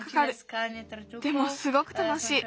でもすごくたのしい。